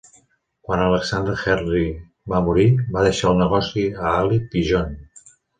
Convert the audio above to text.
Quan Alexander Henry va morir, va deixar el negoci a Alick i John.